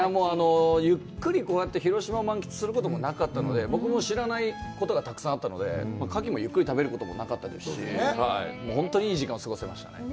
ゆっくりこうやって広島を満喫することもなかったので、僕も知らないことがたくさんあったので、カキもゆっくり食べることもなかったですし、本当にいい時間を過ごせましたね。